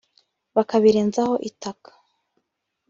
bakabirenzaho itaka